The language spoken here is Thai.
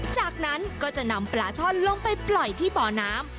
จากนั้นก็จะนำปลาช่อนลงไปปล่อยที่บ่อน้ำ